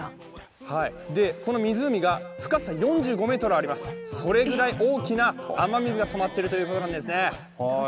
この湖が深さ４５ｍあります、それぐらい大きな雨水がたまっているということなんですね。